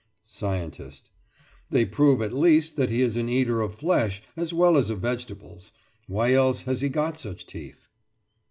SCIENTIST: They prove at least that he is an eater of flesh as well as of vegetables. Why else has he got such teeth?